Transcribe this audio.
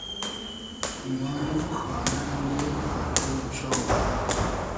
گومانیم خانۂ امدې آتݷ ایمشاو